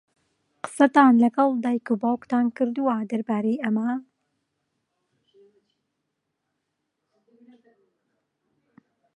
قسەتان لەگەڵ دایک و باوکتان کردووە دەربارەی ئەمە؟